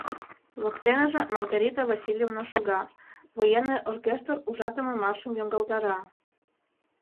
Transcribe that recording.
Воктеныже Маргарита Васильевна шога, Военный оркестр ужатыме маршым йоҥгалтара.